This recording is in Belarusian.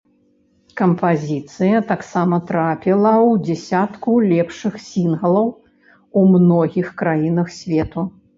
Кампазіцыя таксама трапіла ў дзясятку лепшых сінглаў у многіх краінах свету.